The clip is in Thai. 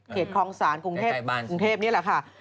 คลองศาลกรุงเทพนี่แหละค่ะ